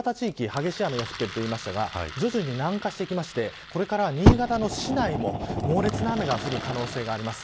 激しい雨が降っていると言いましたが徐々に南下してきましてこれから新潟の市内も猛烈な雨が降る可能性があります。